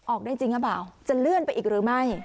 ออกได้จริงหรือเปล่าจะเลื่อนไปอีกหรือไม่